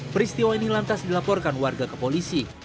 peristiwa ini lantas dilaporkan warga ke polisi